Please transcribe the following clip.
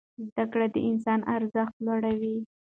زده کړه د انسان ارزښت لوړوي.